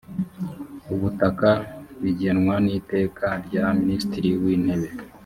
ubutaka bigenwa n iteka rya minisitiri w intebe